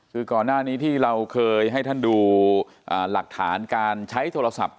คือก่อนหน้านี้ที่เราเคยให้ท่านดูหลักฐานการใช้โทรศัพท์